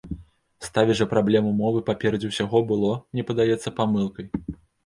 Ставіць жа праблему мовы паперадзе ўсяго было, мне падаецца, памылкай.